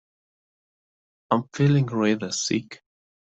I'm feeling rather sick!